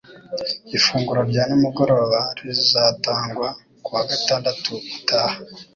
Ifunguro rya nimugoroba rizatangwa kuwa gatandatu utaha.